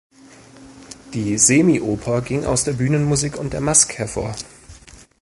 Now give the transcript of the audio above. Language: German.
Die Semi-Oper ging aus der Bühnenmusik und der Masque hervor.